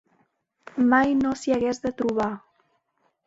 Mai no s'hi hagués de trobar.